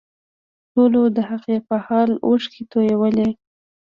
ټولو د هغې په حال اوښکې تویولې